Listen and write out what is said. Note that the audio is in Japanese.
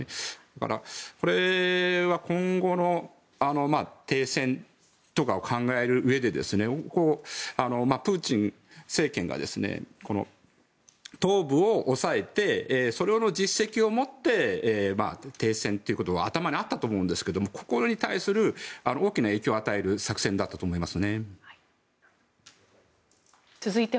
だから、これは今後の停戦とかを考えるうえでプーチン政権が東部を押さえてそれの実績をもって停戦ということが頭にあったと思うんですけどここに対する大きな影響を与える作戦だったと思います。